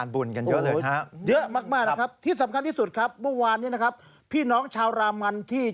บุญข้าวศากทางอีสาน